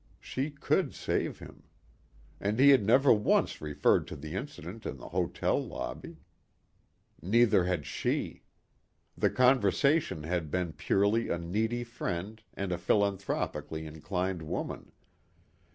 She could save him. And he had never once referred to the incident in the hotel lobby. Neither had she. The conversation had been purely a needy friend and a philanthropically inclined woman.